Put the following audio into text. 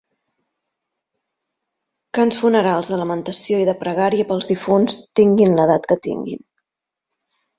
Cants funerals de lamentació i de pregària pels difunts, tinguin l'edat que tinguin.